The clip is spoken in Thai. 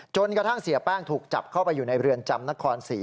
จนกระทั่งเสียแป้งถูกจับเข้าไปอยู่ในเรือนจำนครศรี